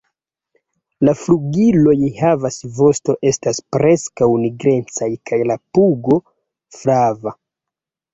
La flugiloj kaj vosto estas preskaŭ nigrecaj kaj la pugo flava.